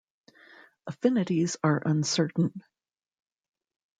Affinities are uncertain.